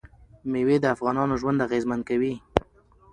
مېوې د افغانانو ژوند اغېزمن کوي.